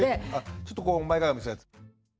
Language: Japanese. ちょっとこう前かがみにするやつ？